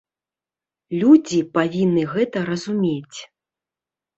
Людзі павінны гэта разумець.